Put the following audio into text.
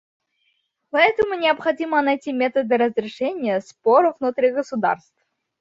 Поэтому необходимо найти методы разрешения споров внутри государств.